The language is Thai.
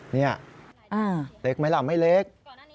นี่เล็กไหมล่ะไม่เล็ก